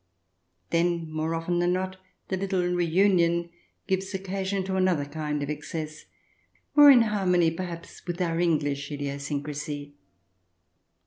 Then, more often than not, the little reunion gives occasion to another kind of excess, more in harmony, perhaps, with our English idiosyncrasy.